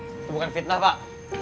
itu bukan fitnah pak